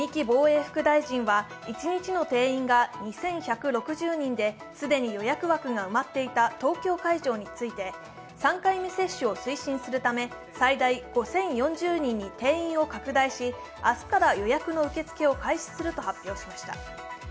防衛副大臣は一日の定員が２１６０人で既に予約枠が埋まっていた東京会場について、３回目接種を推進するため、最大５０４０人に定員を拡大し明日から予約の受け付けを開始すると発表しました。